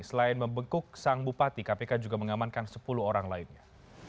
selain membekuk sang bupati kpk juga mengamankan sepuluh orang lainnya